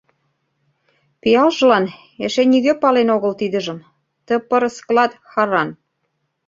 Пиалжылан, эше нигӧ пален огыл тидыжым — ты пырыс клат хӓрран.